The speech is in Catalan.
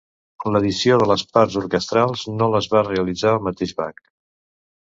L'addició de les parts orquestrals no les va realitzar el mateix Bach.